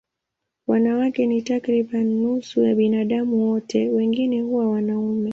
Wanawake ni takriban nusu ya binadamu wote, wengine huwa wanaume.